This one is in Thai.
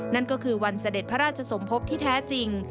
นั่นก็คือวันเสด็จพระราชสมภพที่แท้จริง